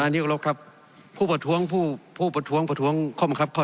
มาอันนี้ก็รบครับผู้ประท้วงผู้ผู้ประท้วงประท้วงข้อมันครับ